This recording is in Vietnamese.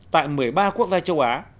tại một mươi ba quốc gia châu á